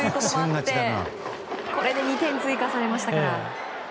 これで２点追加されました。